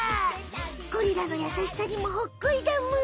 ゴリラのやさしさにもほっこりだむ！